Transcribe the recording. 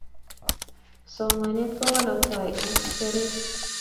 Somanet kokanaptoi eng seretet